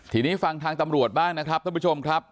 ทีนี้ฟังทางตำรวจบ้างนะครับท่านผู้ชมครับ